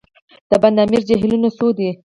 د بند امیر جهیلونه څو دي؟